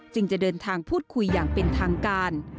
จะเดินทางพูดคุยอย่างเป็นทางการ